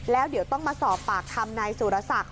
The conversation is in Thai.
แล้วเดี๋ยวต้องมาสอบปากคำนายสุรศักดิ์